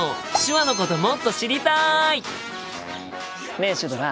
ねえシュドラ。